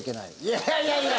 いやいやいやいや！